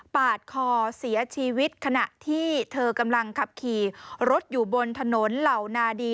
ปาดคอเสียชีวิตขณะที่เธอกำลังขับขี่รถอยู่บนถนนเหล่านาดี